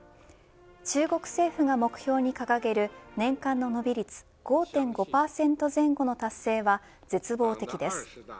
中国政府が目標に掲げる年間の伸び率５．５％前後の達成は絶望的です。